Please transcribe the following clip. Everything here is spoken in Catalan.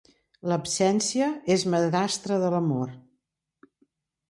L'absència és madrastra de l'amor.